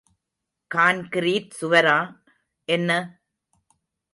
Concrete சுவரா? — என்ன?